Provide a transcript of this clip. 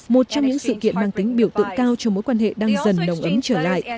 một trong những sự kiện mang tính biểu tượng cao cho mối quan hệ đang dần đồng ấm trở lại